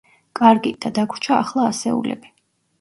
კარგი, და დაგვრჩა ახლა ასეულები.